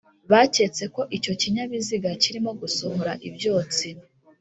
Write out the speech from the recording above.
Baketse ko icyo kinyabiziga kirimo gusohora ibyotsi